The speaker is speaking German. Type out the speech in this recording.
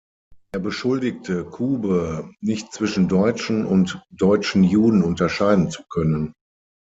Er beschuldigte Kube, nicht zwischen Deutschen und deutschen Juden unterscheiden zu können.